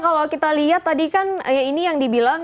kalau kita lihat tadi kan ini yang dibilang